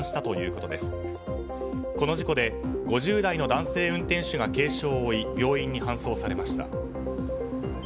この事故で５０代の男性運転手が軽傷を負い病院に搬送されました。